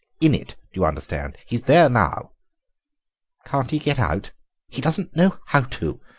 In it, do you understand? He's there now." "Can't he get out?" "He doesn't know how to.